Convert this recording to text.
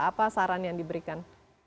apa saran yang diberikan